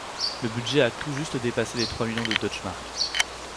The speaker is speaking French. Le budget a tout juste dépassé les trois millions de deutsche Mark.